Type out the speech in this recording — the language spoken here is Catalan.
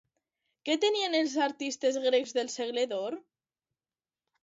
Què tenien els artistes grecs del segle d'or?